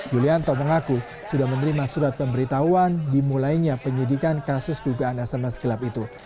yulianto mengaku sudah menerima surat pemberitahuan dimulainya penyidikan kasus dugaan sms gelap itu